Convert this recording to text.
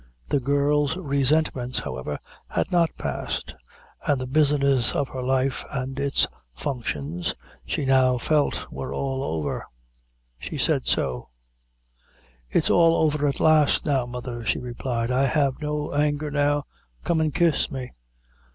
The girl's resentments, however, had all passed, and the business of her life, and its functions, she now felt were all over she said so "It's all over, at last now, mother," she replied "I have no anger now come and kiss me.